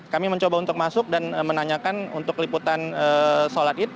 kami mencoba untuk masuk dan menanyakan untuk liputan sholat id